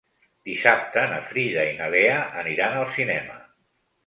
Dissabte na Frida i na Lea aniran al cinema.